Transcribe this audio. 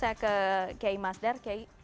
saya ke kiai masdar